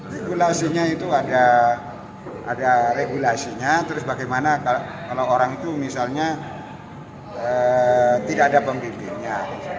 regulasinya itu ada regulasinya terus bagaimana kalau orang itu misalnya tidak ada pemimpinnya